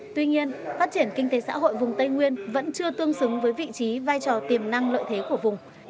tuy nhiên phát triển kinh tế xã hội vùng tây nguyên vẫn chưa tương xứng với vị trí vai trò tiềm năng lợi thế của vùng